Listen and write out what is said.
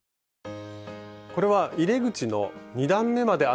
これは入れ口の２段めまで編めたものですね。